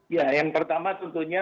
ya yang pertama tentunya